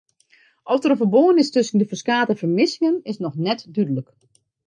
Oft der in ferbân is tusken de ferskate fermissingen is noch net dúdlik.